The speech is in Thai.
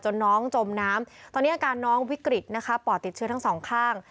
น้องจมน้ำตอนนี้อาการน้องวิกฤตนะคะปอดติดเชื้อทั้งสองข้าง